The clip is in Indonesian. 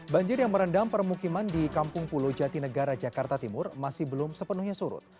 banjir yang merendam permukiman di kampung pulau jatinegara jakarta timur masih belum sepenuhnya surut